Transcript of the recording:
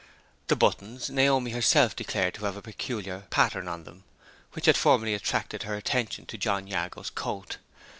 The buttons Naomi herself declared to have a peculiar pattern on them, which had formerly attracted her attention to John Jago's coat.